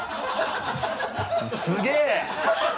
すげぇ！